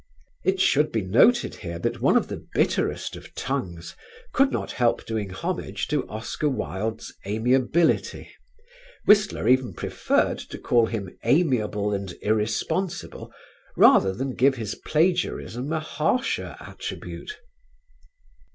It should be noted here that one of the bitterest of tongues could not help doing homage to Oscar Wilde's "amiability": Whistler even preferred to call him "amiable and irresponsible" rather than give his plagiarism a harsher attribute.